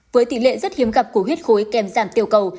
với tỷ lệ rất hiếm gặp của huyết khối kèm giảm tiểu cầu